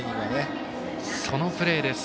そのプレーです。